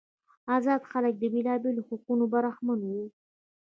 آزاد خلک له بیلابیلو حقوقو برخمن وو.